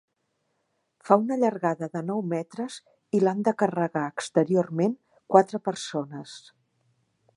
Fa una llargada de nou metres i l'han de carregar exteriorment quatre persones.